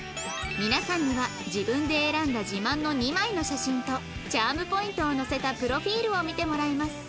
皆さんには自分で選んだ自慢の２枚の写真とチャームポイントを載せたプロフィールを見てもらいます